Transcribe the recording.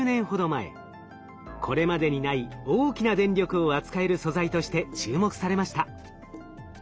これまでにない大きな電力を扱える素材として注目されました。